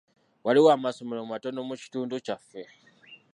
Waliwo amasomero matono mu kitundu kyaffe.